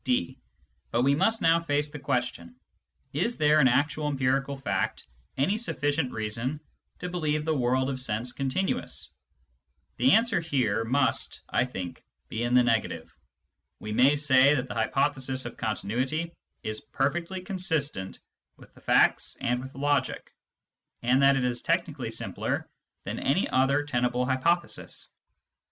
{d) But we must now face the question : Is there, in actual empirical fact, any sufficient reason to believe the Digitized by Google 148 SCIENTIFIC METHOD IN PHILOSOPHY world of sense continuous ? The answer here must, I think, be in the negative. We may say that the hypothesis of continuity is perfectly consistent with the facts and with logic, and that it is technically simpler than any other tenable hypothesis.